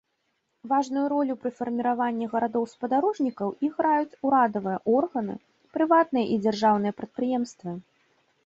Важную ролю пры фарміраванні гарадоў-спадарожнікаў іграюць урадавыя органы, прыватныя і дзяржаўныя прадпрыемствы.